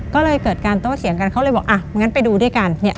ก็เลยเกิดการโต้เถียงกันเขาเลยบอกอ่ะงั้นไปดูด้วยกันเนี่ย